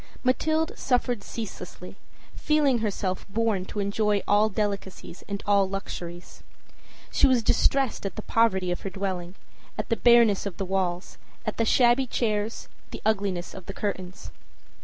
Mathilde suffered ceaselessly, feeling herself born to enjoy all delicacies and all luxuries. She was distressed at the poverty of her dwelling, at the bareness of the walls, at the shabby chairs, the ugliness of the curtains.